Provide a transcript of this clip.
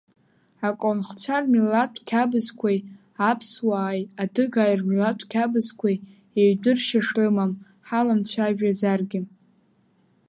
Аколхцәа рмилаҭтә қьабызқәеи аԥсуааи адыгааи рмилаҭтә қьабзқәеи еиҩдырашьа шрымам ҳаламцәажәаӡаргьы.